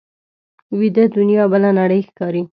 ویده دنیا بله نړۍ ښکاري